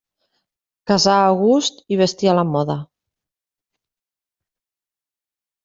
Casar a gust, i vestir a la moda.